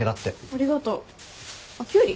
ありがとう。あっキュウリ？